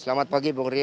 selamat pagi bung riu